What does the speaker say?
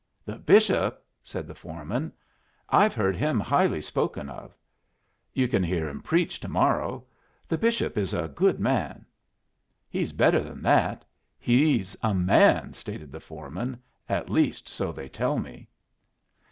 "The bishop!" said the foreman. "I've heard him highly spoken of." "You can hear him preach to morrow. The bishop is a good man." "He's better than that; he's a man," stated the foreman "at least so they tell me."